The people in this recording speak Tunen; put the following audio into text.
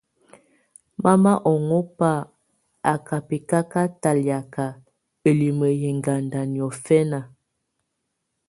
Mama ɔŋɔ́ba á ká bɛcaca talɛ̀áka, ǝlimǝ yɛ̀ ɛŋganda niɔfɛna.